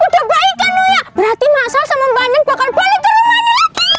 berarti masa sama mbak andin bakal balik ke rumah ini lagi